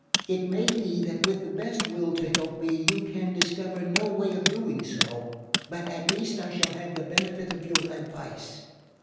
It may be that with the best will to help me you can discover no way of doing so, but at least I shall have the benefit of your advice.